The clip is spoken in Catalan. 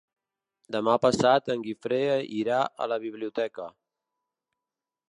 Demà passat en Guifré irà a la biblioteca.